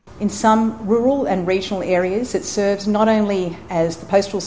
di beberapa kawasan ruralkan dan regional ini berguna bukan hanya sebagai perusahaan pos